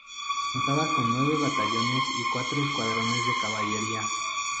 Contaba con nueve batallones y cuatro escuadrones de caballería.